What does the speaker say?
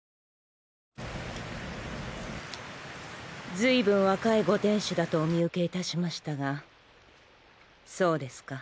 随分若いご店主だとお見受けいたしましたがそうですか